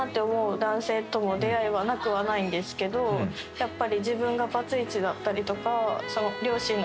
やっぱり。